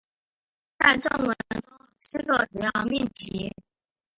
在正文中有七个主要命题。